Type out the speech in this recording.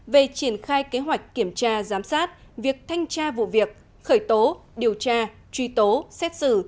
về triển khai kế hoạch kiểm tra giám sát việc thanh tra vụ việc khởi tố điều tra truy tố xét xử